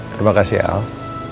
terima kasih al